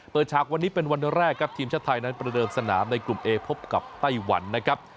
ฉากวันนี้เป็นวันแรกครับทีมชาติไทยนั้นประเดิมสนามในกลุ่มเอพบกับไต้หวันนะครับ